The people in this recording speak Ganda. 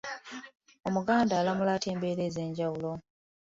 Omuganda alamula atya embeera ez’enjawulo?